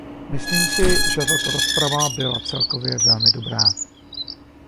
Myslím si, že tato rozprava byla celkově velmi dobrá.